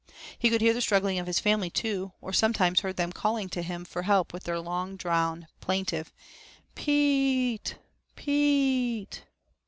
He could hear the struggling of his family, too, or sometimes heard them calling to him for help with their long drawn plaintive 'p e e e e e t e, p e e e e e t e.'